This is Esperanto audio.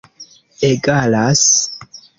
egalas